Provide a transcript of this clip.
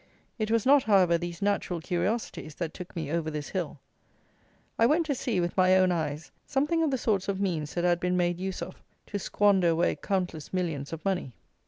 It was not, however, these natural curiosities that took me over this hill; I went to see, with my own eyes, something of the sorts of means that had been made use of to squander away countless millions of money.